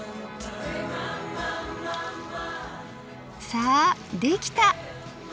さあできた！